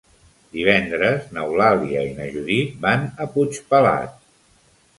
Divendres n'Eulàlia i na Judit van a Puigpelat.